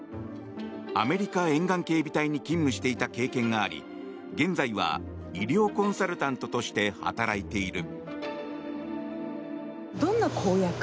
アメリカ沿岸警備隊に勤務していた経験があり現在は医療コンサルタントとして働いている。